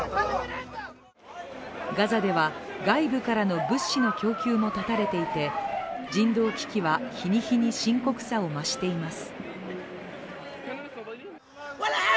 ガザでは外部からの物資の供給も絶たれていて人道危機は日に日に深刻さを増しています。